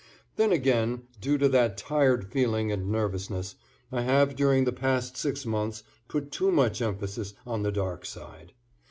Then again, due to that tired feeling and nervousness, I have during the past six months put too much emphasis on the dark side.